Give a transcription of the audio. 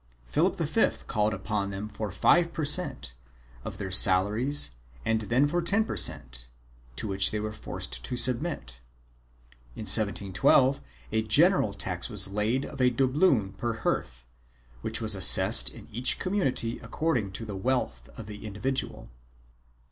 Philip V called upon them for five per cent, of their salaries and then for ten per cent, to which they were forced to submit. In 1712 a general tax was laid of a doubloon per hearth, which was assessed in each community according to the wealth of the individual.